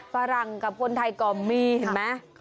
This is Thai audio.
ฝรั่งกับคนไทยก็มีเห็นไหม